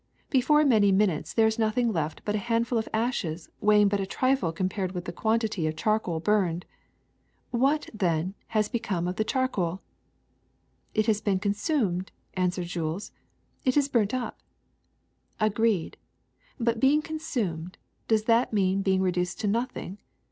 Before many minutes there is nothing left but a handful of ashes weighing but a trifle compared with the quantity of charcoal burned. What, then, has become of the charcoal? *' It has been consumed,'' answered Jules; ^*it is burnt up.'* ^^ Agreed. But being consumed — does that mean being reduced to nothing?